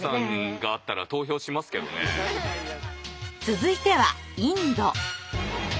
続いてはインド。